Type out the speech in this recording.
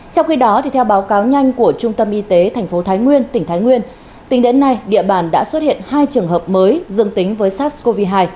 trong khi đó theo báo cáo nhanh của trung tâm y tế tp thái nguyên tỉnh thái nguyên tính đến nay địa bàn đã xuất hiện hai trường hợp mới dương tính với sars cov hai